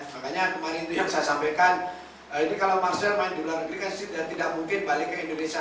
makanya kemarin itu yang saya sampaikan ini kalau marsial main di luar negeri kan tidak mungkin balik ke indonesia